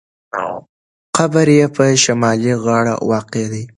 قبر یې په شمالي غاړه واقع دی.